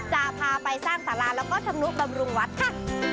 จะพาไปสร้างสลานและก็ชมนุกบำรุงวัดค่ะ